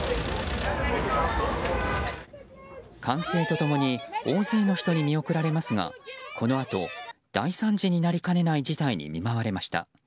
歓声と共に大勢の人に見送られますがこのあと、大惨事になりかねない事態に見舞われました。